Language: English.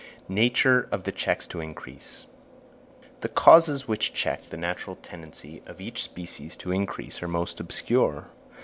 Nature of the Checks to Increase. The causes which check the natural tendency of each species to increase are most obscure.